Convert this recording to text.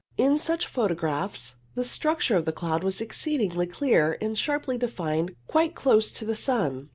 In such photographs the structure of the cloud was exceedingly clear and sharply defined quite close to the sun.